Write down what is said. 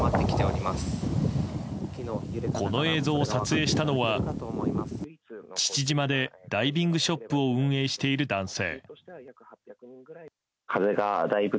この映像を撮影したのは父島でダイビングショップを運営している男性。